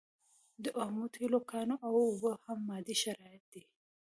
د اومو تیلو کانونه او اوبه هم مادي شرایط دي.